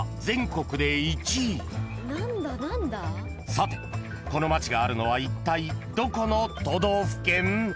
［さてこの町があるのはいったいどこの都道府県？］